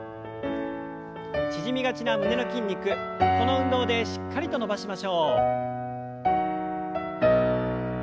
縮みがちな胸の筋肉この運動でしっかりと伸ばしましょう。